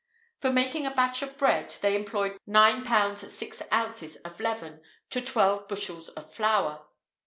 [IV 36] For making a batch of bread, they employed nine pounds six ounces of leaven to twelve bushels of flour.